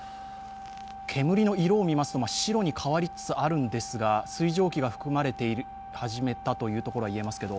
煙の色を見ますと、白に変わりつつあるんですが、水蒸気が含まれ始めたということです。